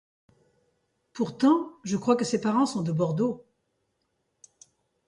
Pourtant, je crois que ses parents sont de Bordeaux.